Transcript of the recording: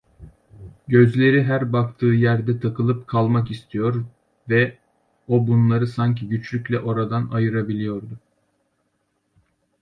Gözleri her baktığı yerde takılıp kalmak istiyor ve o bunları sanki güçlükle oradan ayırabiliyordu.